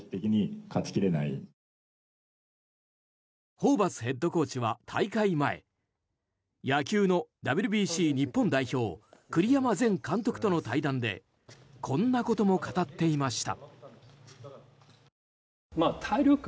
ホーバスヘッドコーチは大会前野球のＷＢＣ日本代表栗山前監督との対談でこんなことも語っていました。